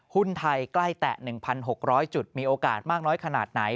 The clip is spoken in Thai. หุ้นไทยใกล้แตะ๑๖๐๐จุดมีโอกาสมากน้อยขนาดไหน